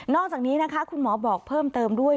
อกจากนี้นะคะคุณหมอบอกเพิ่มเติมด้วย